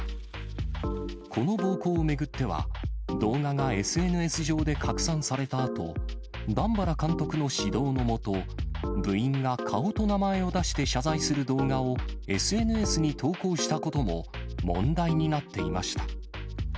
この暴行を巡っては、動画がＳＮＳ上で拡散されたあと、段原監督の指導の下、部員が顔と名前を出して謝罪する動画をＳＮＳに投稿したことも、問題になっていました。